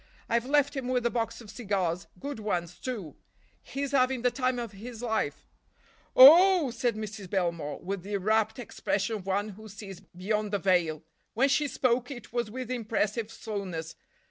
I've left him with a box of cigars; good ones, too. He's having the time of his life." "O—o—h!" said Mrs. Belmore with the rapt expression of one who sees beyond the veil. When she spoke it was with impressive slowness.